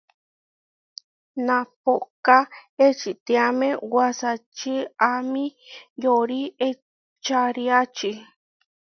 Napohká ečitiáme wasačiami yóri ečariáči.